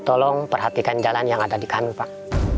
tolong perhatikan jalan yang ada di kanva